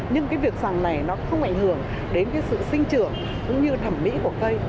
nhưng cái việc sàng này nó không ảnh hưởng đến cái sự sinh trưởng cũng như thẩm mỹ của cây